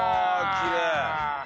きれい。